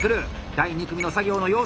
第２組の作業の様子。